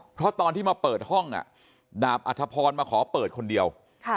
เพราะตอนที่มาเปิดห้องดาบอัธพรมาขอเปิดคนเดียว